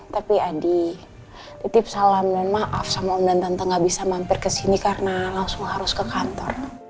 tapi adi titip salam dan maaf sama om dan tante gak bisa mampir ke sini karena langsung harus ke kantor